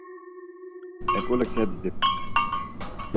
Eǩule kebzdip.